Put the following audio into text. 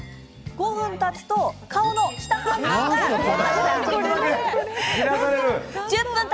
５分たつと顔の下半分が見えました。